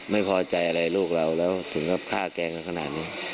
ไม่พอใจอะไรลูกเราแล้วถึงกับฆ่าแกล้งกันขนาดนี้